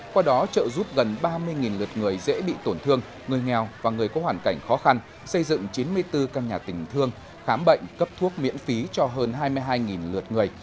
qua đó trợ giúp gần ba mươi lượt người dễ bị tổn thương người nghèo và người có hoàn cảnh khó khăn xây dựng chín mươi bốn căn nhà tình thương khám bệnh cấp thuốc miễn phí cho hơn hai mươi hai lượt người